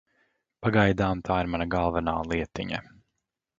Pagaidām tā ir mana galvenā lietiņa.